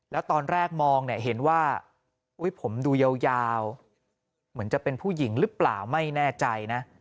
แล้วตอนแรกมองเนี่ยเห็นว่าผมดูยาวเหมือนจะเป็นผู้หญิงหรือเปล่าไม่แน่ใจนะ